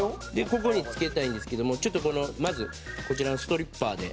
ここに付けたいんですけどもちょっとこのまずこちらのストリッパーで。